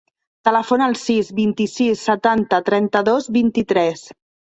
Telefona al sis, vint-i-sis, setanta, trenta-dos, vint-i-tres.